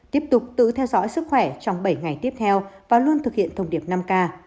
tiếp tục tự theo dõi sức khỏe trong bảy ngày tiếp theo và luôn thực hiện thông điệp năm k